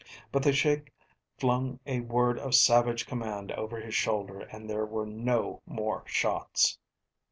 But the Sheik flung a word of savage command over his shoulder and there were no more shots.